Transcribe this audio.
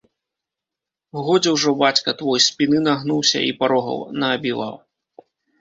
Годзе ўжо бацька твой спіны нагнуўся і парогаў наабіваў.